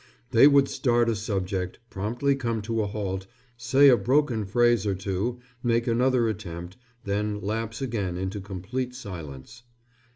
They would start a subject, promptly come to a halt, say a broken phrase or two, make another attempt, then lapse again into complete silence.